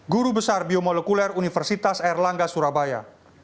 guru besar biomolekuler universitas erlangga surabaya